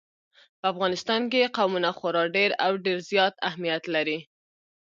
په افغانستان کې قومونه خورا ډېر او ډېر زیات اهمیت لري.